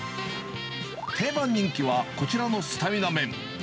定番人気は、こちらのスタミナめん。